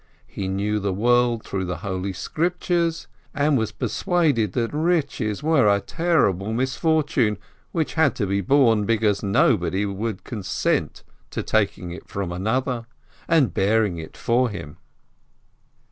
He knew the world through the Holy Scriptures, and was persuaded that riches were a terrible misfortune, which had to be borne, because no one would consent to taking it from another, and bearing it for him.